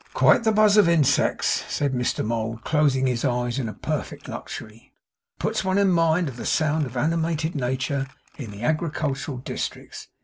'Quite the buzz of insects,' said Mr Mould, closing his eyes in a perfect luxury. 'It puts one in mind of the sound of animated nature in the agricultural districts.